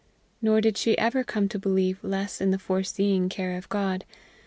Nor did she ever come to believe less in the foreseeing care of God.